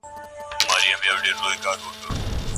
دا بیت ما په خپله نیمه سوځېدلې پاڼه لیکلی و.